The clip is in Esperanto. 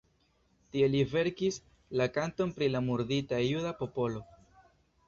Tie li verkis la "Kanton pri la murdita juda popolo".